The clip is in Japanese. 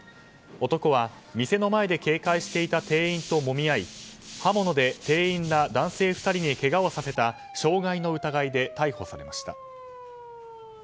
男は店の前で警戒していた店員ともみ合い刃物で店員ら男性２人にけがをさせた傷害の疑いで逮捕されました。